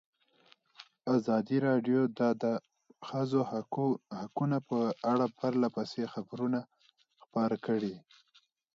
ازادي راډیو د د ښځو حقونه په اړه پرله پسې خبرونه خپاره کړي.